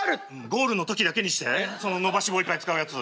ゴールの時だけにしてその伸ばし棒いっぱい使うやつ。